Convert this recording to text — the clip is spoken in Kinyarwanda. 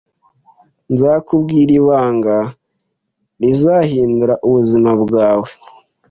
Nzakubwira ibanga rizahindura ubuzima bwawe